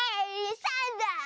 ３だ！